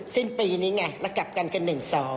สิ้นปีนี้ไงแล้วกลับกัน๑๒